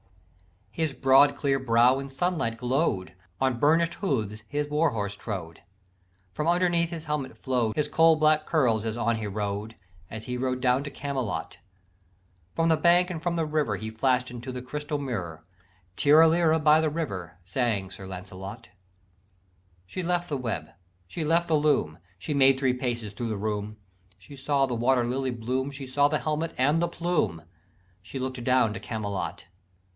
"His broad clear brow in sunlight glow'd; On burnish'd hooves his warhorse trode; From underneath his helmet flow'd His coal black curls as on he rode, As he rode down to Camelot. From the bank and from the river He flashed into the crystal mirror, "Tirra lirra," by the river Sang Sir Lancelot. "She left the web, she left the loom, She made three paces thro' the room, She saw the water lily bloom, She saw the helmet and the plume, She look'd down to Camelot.